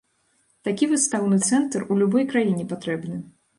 Такі выстаўны цэнтр у любой краіне патрэбны.